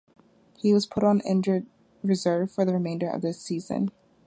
He was put on injured reserve for the remainder of the season.